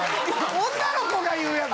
女の子が言うやつ。